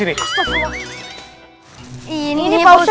ini cuma beli makanan